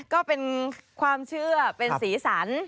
ก็เป็นความเชื่อเป็นสีสัน